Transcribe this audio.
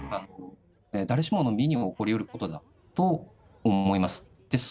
誰しもの身に起こりうることだと思います。